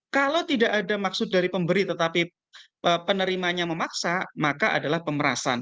kalau tidak ada maksud dari pemberi tetapi penerimanya memaksa maka adalah pemerasan